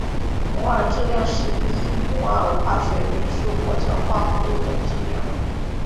摩尔质量是一摩尔化学元素或者化合物的质量。